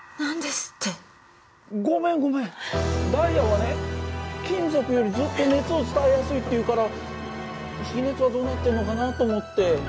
ダイヤはね金属よりずっと熱を伝えやすいっていうから比熱はどうなってるのかなと思って。